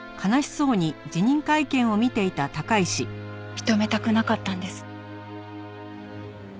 認めたくなかったんです。